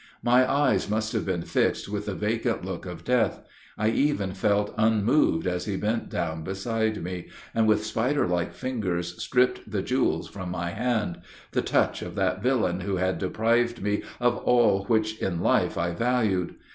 My eyes must have been fixed with the vacant look of death: I even felt unmoved as he bent down beside me, and, with spider like fingers, stripped the jewels from my hand the touch of that villain who had deprived me of all which in life I valued.